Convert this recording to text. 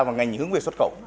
và ngành hướng về xuất khẩu